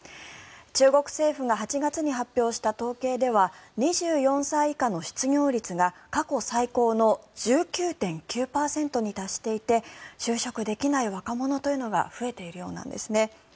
中国政府が８月に発表した統計では２４歳以下の失業率が過去最高の１９．９％に達していて就職できない若者というのが増えているようなんですね。